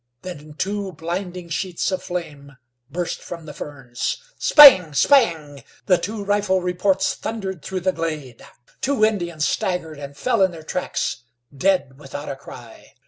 Then two blinding sheets of flame burst from the ferns. Spang! Spang! The two rifle reports thundered through the glade. Two Indians staggered and fell in their tracks dead without a cry.